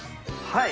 はい。